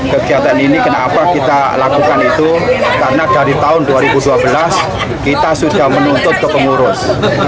kegiatan ini kenapa kita lakukan itu karena dari tahun dua ribu dua belas kita sudah menuntut ke pengurus